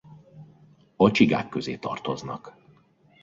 A csigák közé tartoznak.